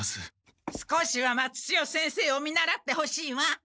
少しは松千代先生を見習ってほしいわ。